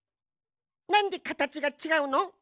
なんでかたちがちがうの？